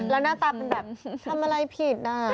แล้วหน้าตาเป็นแบบทำอะไรผิด